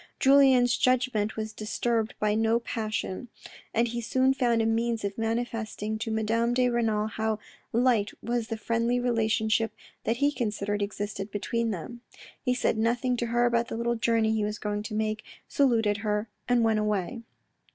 Julien's judgment was disturbed by no passion, and he soon found a means of manifesting to Madame de Renal how light was the friendly relationship that he considered existed between them. He said nothing to her about the little journey that he was going to make ; saluted her, and went away.